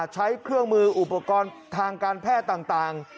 ใช้เครื่องมืออุปกรณ์ทางการแพทย์ต่าง